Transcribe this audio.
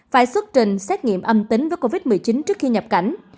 phải xuất trình xét nghiệm âm tính với covid một mươi chín trước khi nhập cảnh